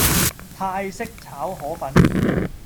泰式炒河粉